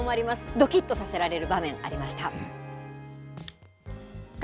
どきっとさせられる場面ありました。